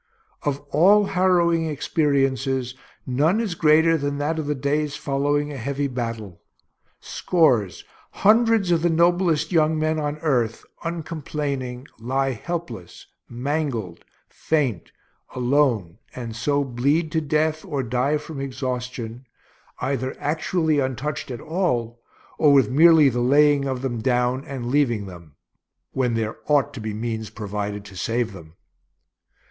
Of all harrowing experiences, none is greater than that of the days following a heavy battle. Scores, hundreds, of the noblest young men on earth, uncomplaining, lie helpless, mangled, faint, alone, and so bleed to death, or die from exhaustion, either actually untouched at all, or with merely the laying of them down and leaving them, when there ought to be means provided to save them.